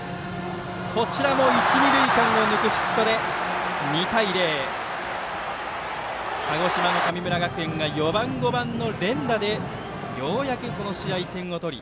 こちらも一、二塁間を抜くヒットで２対０、鹿児島の神村学園が４番、５番の連打でようやく、この試合点を取り